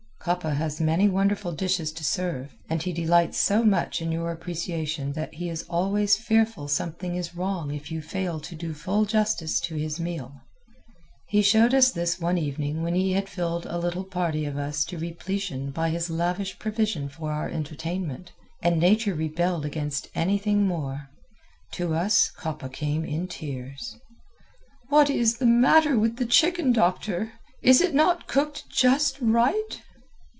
Coppa has many wonderful dishes to serve, and he delights so much in your appreciation that he is always fearful something is wrong if you fail to do full justice to his meal. He showed this one evening when he had filled a little party of us to repletion by his lavish provision for our entertainment, and nature rebelled against anything more. To us came Coppa in tears. "What is the matter with the chicken, Doctor? Is it not cooked just right?"